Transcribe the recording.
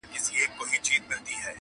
په لرغونو زمانو کي یو حاکم وو.!